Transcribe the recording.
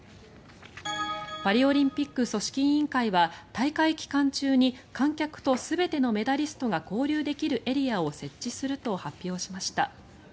パリオリンピック組織委員会は大会期間中に観客と全てのメダリストが交流できるエリアを設置すると発表しました。